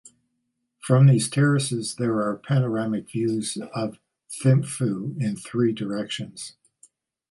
From these terraces there are panoramic views of Thimphu in three directions.